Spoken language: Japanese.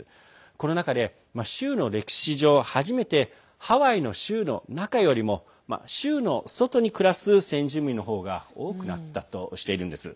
この中で、州の歴史上初めてハワイの州の中よりも州の外に暮らす先住民の方が多くなったとしているんです。